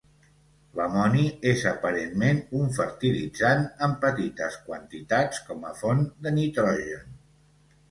L'amoni és aparentment un fertilitzant, en petites quantitats com a font de nitrogen.